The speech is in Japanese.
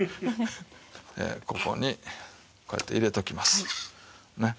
ここにこうやって入れておきます。